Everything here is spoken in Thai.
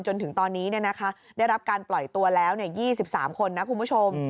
จนถึงตอนนี้ได้รับการปล่อยตัวแล้ว๒๓คนนะคุณผู้ชม